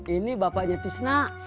ini bapaknya tisna